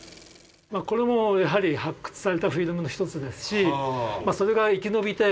これもやはり発掘されたフィルムの一つですしそれが生き延びてここに保管されてる。